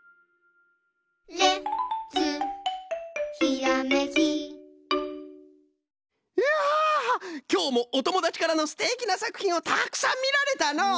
いやきょうもおともだちからのすてきなさくひんをたくさんみられたのう。